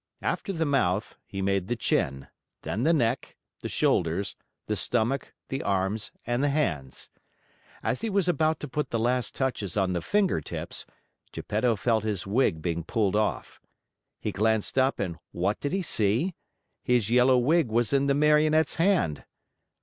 After the mouth, he made the chin, then the neck, the shoulders, the stomach, the arms, and the hands. As he was about to put the last touches on the finger tips, Geppetto felt his wig being pulled off. He glanced up and what did he see? His yellow wig was in the Marionette's hand.